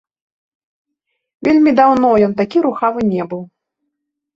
Вельмі даўно ён такі рухавы не быў.